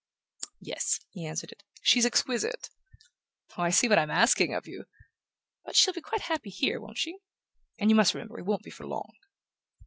"Yes," he answered it, "she's exquisite...Oh, I see what I'm asking of you! But she'll be quite happy here, won't she? And you must remember it won't be for long..."